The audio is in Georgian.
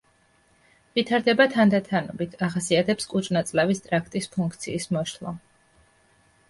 ვითარდება თანდათანობით, ახასიათებს კუჭნაწლავის ტრაქტის ფუნქციის მოშლა.